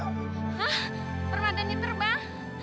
hah permadannya terbang